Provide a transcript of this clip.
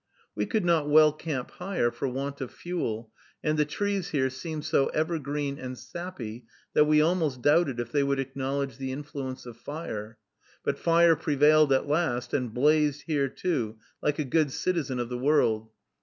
We could not well camp higher, for want of fuel; and the trees here seemed so evergreen and sappy, that we almost doubted if they would acknowledge the influence of fire; but fire prevailed at last, and blazed here, too, like a good citizen of the world.